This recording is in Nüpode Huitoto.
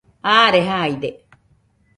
are jaide